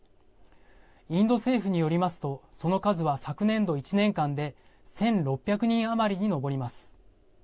インド政府によりますとその数は昨年度１年間で１６００人余りに上ります。